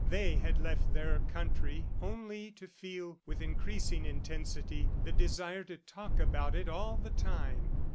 They had left their country only to feel, with increasing intensity, the desire to talk about it all the time.